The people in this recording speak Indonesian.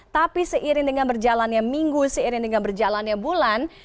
tapi seiring dengan berjalannya minggu seiring dengan berjalannya bulan